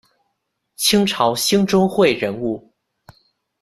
清朝兴中会人物。